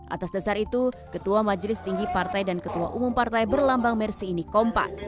atas dasar itu ketua majelis tinggi partai dan ketua umum partai berlambang mersi ini kompak